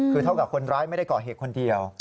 คือเท่ากับคนร้ายไม่ได้ก่อเหตุคนเดียว